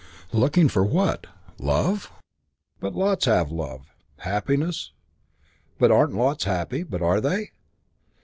Looking for what? Love? But lots have love. Happiness? But aren't lots happy? But are they?"